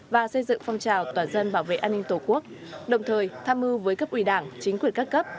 và xây dựng phong trào toàn dân bảo vệ an ninh tổ quốc đồng thời tham mưu với cấp ủy đảng chính quyền các cấp